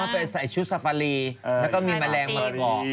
อ๋อไปใส่ชุดทรัฟฟารีแล้วก็มีแมลงมาลังมา